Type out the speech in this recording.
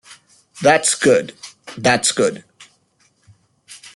That's good, that's good.